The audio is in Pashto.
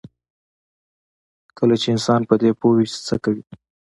کله چې انسان په دې پوه وي چې څه کوي.